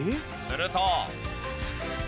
すると。